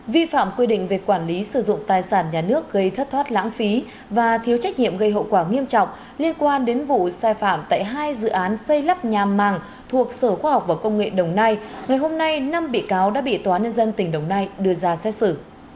vi phạm quy định về quản lý sử dụng tài sản nhà nước gây thất thoát lãng phí và thiếu trách nhiệm gây hậu quả nghiêm trọng liên quan đến vụ sai phạm tại hai dự án xây lắp nhà màng thuộc sở khoa học và công nghệ đồng nai ngày hôm nay năm bị cáo đã bị tòa nhân dân tỉnh đồng nai đưa ra xét xử